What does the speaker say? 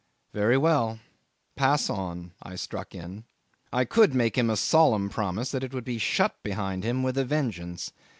... "Very well. Pass on," I struck in. I could make him a solemn promise that it would be shut behind him with a vengeance.